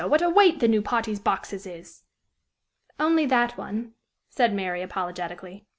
what a weight the new party's boxes is!" "Only that one," said Mary, apologetically.